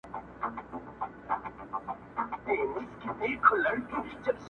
یو عطار وو یو طوطي یې وو ساتلی!